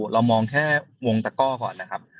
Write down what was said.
เรามองแค่วงตะก้อก่อนนะครับ